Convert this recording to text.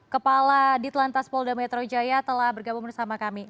kepala ditlantas polda metro jaya telah bergabung bersama kami